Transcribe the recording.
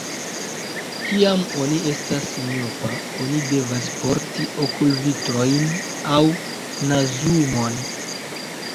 Kiam oni estas miopa oni devas porti okulvitrojn aŭ nazumon.